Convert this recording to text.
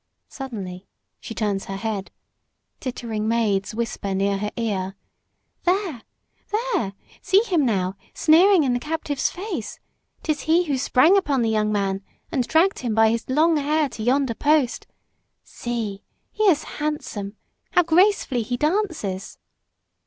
Suddenly she turns her head. Tittering maids whisper near her ear: "There! There! See him now, sneering in the captive's face. 'Tis he who sprang upon the young man and dragged him by his long hair to yonder post. See! He is handsome! How gracefully he dances!"